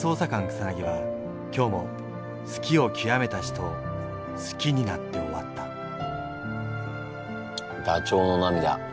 草は今日も好きをきわめた人を好きになって終わったダチョウの涙